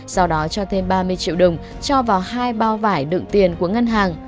sau đó cho thêm ba mươi triệu đồng cho vào hai bao vải đựng tiền của ngân hàng